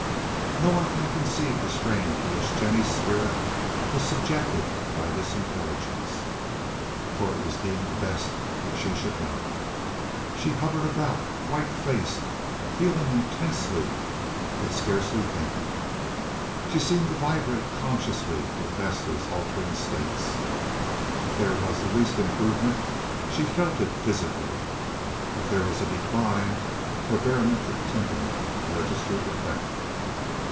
No one can conceive the strain to which Jennie's spirit was subjected by this intelligence, for it was deemed best that she should know. She hovered about white faced—feeling intensely, but scarcely thinking. She seemed to vibrate consciously with Vesta's altering states. If there was the least improvement she felt it physically. If there was a decline her barometric temperament registered the fact.